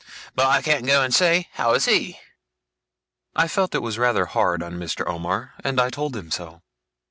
But I can't go and say, "how is he?"' I felt it was rather hard on Mr. Omer, and I told him so.